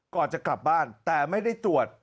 ก่อนจะกลับบ้านแต่ไม่ได้ตรวจ